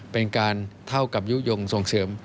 เป็นการเท่ากับยุโยงส่งเสริม